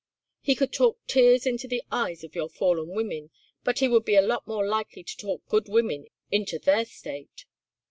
He could talk tears into the eyes of your fallen women, but he would be a lot more likely to talk good women into their state."